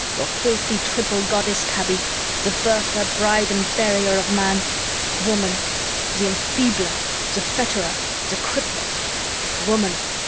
Your filthy Triple Goddess, Kaby, the birther, bride, and burier of man! Woman, the enfeebler, the fetterer, the crippler! Woman!